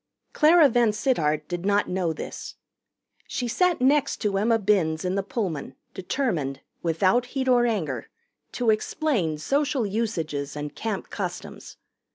Clara VanSittart did not know this. She sat next to Emma Binns in the Pullman, determined, without heat or anger, to explain Social Usages and Camp Customs.